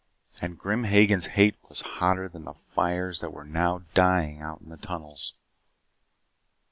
And Grim Hagen's hate was hotter than the fires that were now dying out in the tunnels.